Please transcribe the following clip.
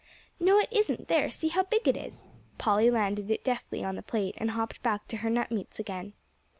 "No, it isn't; there, see how big it is." Polly landed it deftly on the plate and hopped back to her nut meats again.